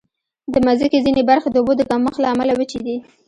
د مځکې ځینې برخې د اوبو د کمښت له امله وچې دي.